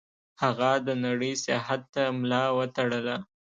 هغه د نړۍ سیاحت ته ملا وتړله.